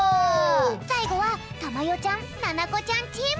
さいごはたまよちゃんななこちゃんチーム！